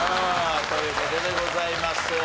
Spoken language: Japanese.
という事でございます。